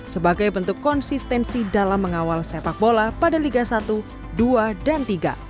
sebagai bentuk konsistensi dalam mengawal sepak bola pada liga satu dua dan tiga